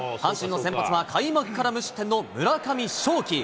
阪神の先発は開幕から無失点の村上頌樹。